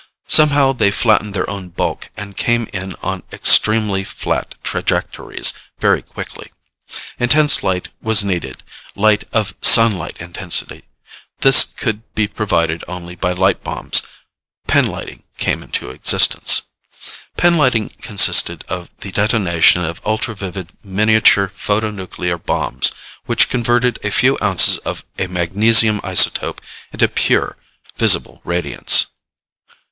Somehow they flattened their own bulk and came in on extremely flat trajectories very quickly. Intense light was needed, light of sunlike intensity. This could be provided only by light bombs. Pinlighting came into existence. Pinlighting consisted of the detonation of ultra vivid miniature photonuclear bombs, which converted a few ounces of a magnesium isotope into pure visible radiance.